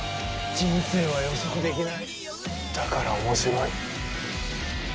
人生は予測できないだから面白い。